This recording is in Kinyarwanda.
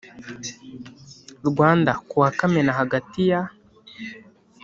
Rwanda ku wa Kamena hagati ya